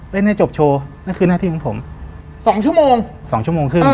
เล่นให้จบโชว์นั่นคือหน้าที่ของผมสองชั่วโมงสองชั่วโมงครึ่งเออเออ